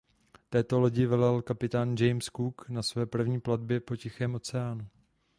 Této lodi velel kapitán James Cook na své první plavbě po Tichém oceánu.